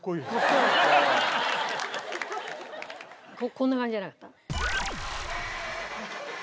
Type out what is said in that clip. こんな感じじゃなかった？